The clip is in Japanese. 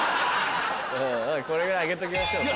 これぐらいあげときましょう。